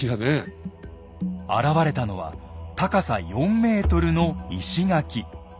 現れたのは高さ４ｍの石垣。